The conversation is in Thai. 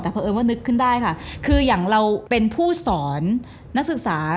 แต่เพราะเอิญว่านึกขึ้นได้ค่ะคืออย่างเราเป็นผู้สอนนักศึกษา